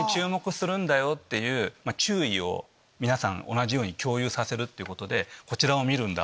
注意を皆さん同じように共有させるってことでこちらを見るんだ！